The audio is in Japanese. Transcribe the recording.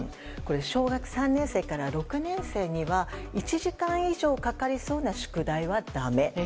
小学３年生から６年生には１時間以上かかりそうな宿題はだめ。